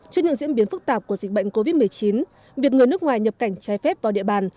trước những diễn biến phức tạp của dịch bệnh covid một mươi chín việc người nước ngoài nhập cảnh trái phép vào địa bàn